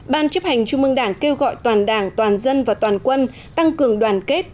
bốn ban chấp hành trung mương đảng kêu gọi toàn đảng toàn dân và toàn quân tăng cường đoàn kết